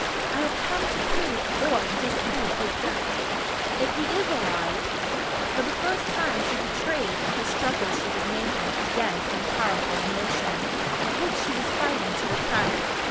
I have come to prove or disprove his death. If he is alive " For the first time she betrayed the struggle she was making against some powerful emotion which she was fighting to repress.